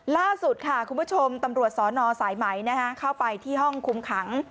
ล่าสุดค่ะคุณผู้ชมตำรวจสนสายไหมเข้าไปที่ห้องคุมขัง